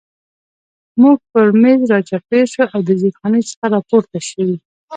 موږ پر مېز را چاپېر شو او د زیرخانې څخه را پورته شوي.